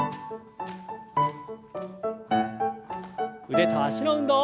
腕と脚の運動。